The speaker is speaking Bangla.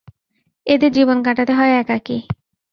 এদের জীবন কাটাতে হয় একাকী।